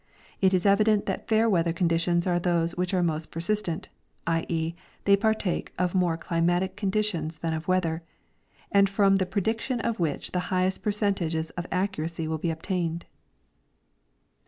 It is evident that faii' weather conditions are those which are most persistent [i. e., i\\Q\ partake more of climatic conditions thaii of weather] and from the pre diction of which the highest percentages of accuracy will be obtained."